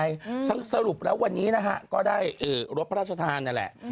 ตัวโปจะทำยังไงสรุปแล้ววันนี้นะฮะก็ได้รถพระราชธาณนั่นแหละ